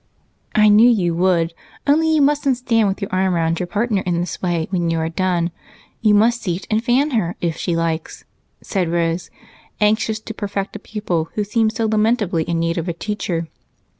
"I knew you would, only you mustn't stand with your arm round your partner in this way when you are done. You must seat and fan her, if she likes it," said Rose, anxious to perfect a pupil who seemed so lamentably in need of a teacher.